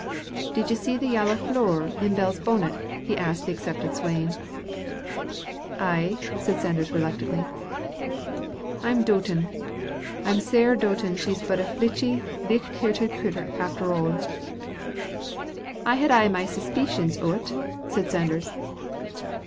"Did ye see the yallow floor in Bell's bonnet?" asked the accepted swain. "Ay," said Sanders, reluctantly. "I'm dootin' I'm sair dootin' she's but a flichty, licht hearted crittur, after a'." "I had ay my suspeecions o't," said Sanders.